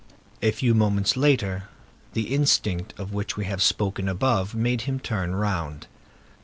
A few moments later, the instinct of which we have spoken above made him turn round.